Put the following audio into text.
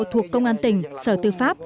thuộc công an tỉnh sở tư pháp